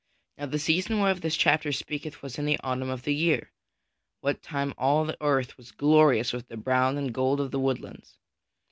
Now the season whereof this chapter speaketh was in the autumn of the year, what time all the earth is glorious with the brown and gold of the woodlands.